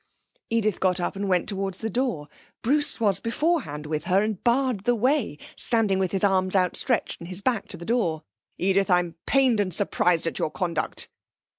Edith got up and went towards the door. Bruce was beforehand with her and barred the way, standing with his arms outstretched and his back to the door. 'Edith, I'm pained and surprised at your conduct!'